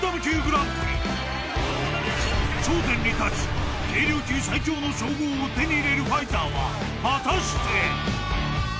［頂点に立ち軽量級最強の称号を手に入れるファイターは果たして⁉］